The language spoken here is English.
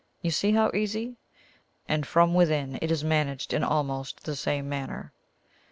You see how easy? And from within it is managed in almost the same manner."